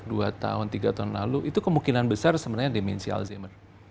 waduh ini kayaknya sejak dua tahun tiga tahun lalu itu kemungkinan besar sebenarnya demensi alzheimer